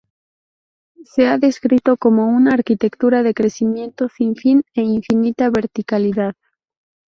Se ha descrito como "una arquitectura de crecimiento sin fin e infinita verticalidad".